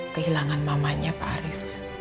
kehilangan mamanya pak arief